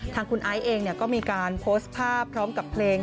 ทางคุณไอซ์เองก็มีการโพสต์ภาพพร้อมกับเพลง